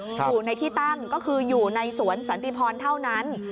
อยู่ในที่ตั้งก็คืออยู่ในสวนสันติพรเท่านั้น